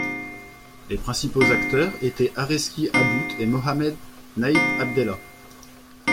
Les principaux acteurs étaient Arezki Abboute et Mohammed Nait Abdellah.